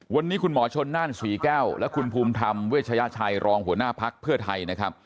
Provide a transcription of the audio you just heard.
วันนี้คุณหมอชนน่านศรีแก้วและคุณภูมิธรรมเวชยชัยรองหัวหน้าพักเพื่อไทยนะครับ